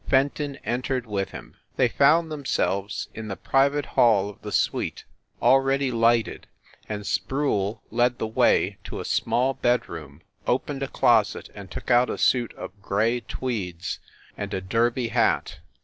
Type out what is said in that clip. Fenton entered with him. They found themselves in the private hall of the suite, already lighted, and Sproule led the way to a small bedroom, opened a closet and took out a suit of gray tweeds and a derby hat.